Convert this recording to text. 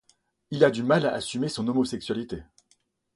Il a du mal à assumer son homosexualité.